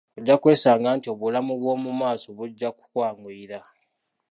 Ojja kwesanga nti obulamu bw'omu maaso bujja kukwanguyira.